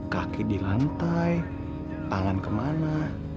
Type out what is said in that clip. kaki di lantai tangan kemana